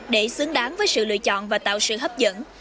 để xứng đáng với sự lựa chọn và tạo sự hấp dẫn